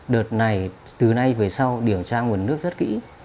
đợt này từ nay về sau điều tra nguồn nước rất kỹ